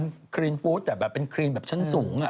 นางทำครีนฟู้ดแบบเป็นครีนแบบชั้นสูงอ่ะ